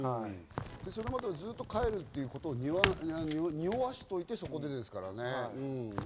それまでずっと、帰るということを匂わせておいて、そこでですからね。